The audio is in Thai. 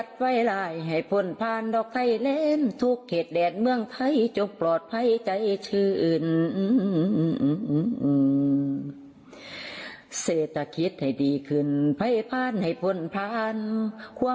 เพลงบอกเลยมัวนซื้นกันเลยนะคะ